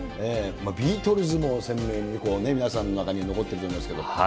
ビートルズも鮮明に、これ皆さんの中に残っていますけども。